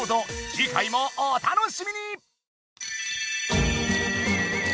じ回もお楽しみに！